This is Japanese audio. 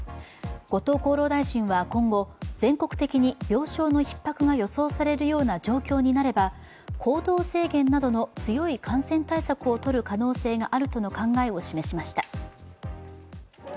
後藤厚労大臣は今後、全国的に病床のひっ迫が予想されるような状況になれば行動制限などの強い感染対策をとる可能性があるとの考えを示しました。